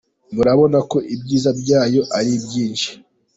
Murabona ko ibyiza byayo ari byinshi.